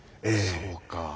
そうか。